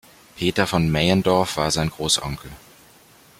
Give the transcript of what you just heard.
Peter von Meyendorff war sein Großonkel.